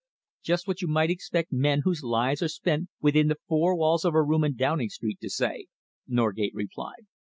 "Just what you might expect men whose lives are spent within the four walls of a room in Downing Street to say," Norgate replied.